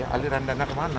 aliran dana ke mana